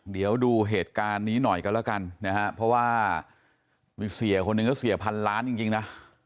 เดี๋ยวดูเหตุการณ์นี้หน่อยกันแล้วกันนะฮะเพราะว่ามีเสียคนหนึ่งก็เสียพันล้านจริงนะ